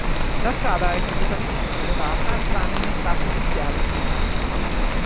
La strada è completamente sopraelevata tranne nei tratti iniziali e finali.